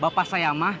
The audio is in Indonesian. bapak saya mah